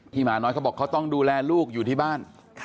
หมาน้อยเขาบอกเขาต้องดูแลลูกอยู่ที่บ้าน